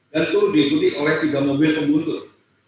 dan itu diikuti oleh tiga mobil pembuntut